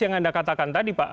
yang anda katakan tadi pak